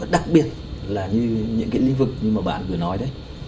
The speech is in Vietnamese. đặc biệt là như những cái lĩnh vực như mà bạn vừa nói đấy